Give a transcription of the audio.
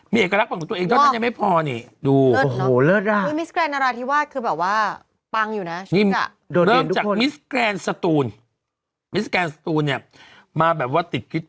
มีเอกลักษณ์ของตัวเองเท่านั้นยังไม่พอนี่ดู